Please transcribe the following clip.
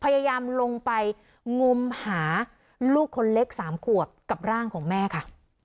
พยายามลงไปงมหาลูกคนเล็ก๓ขวบกับร่างของแม่ค่ะ